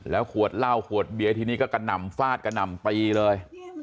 แล้วขวดเหล้าขวดเบี๋ยทีนี้ก็กระน่ำฟาดกระน่ำปีเลย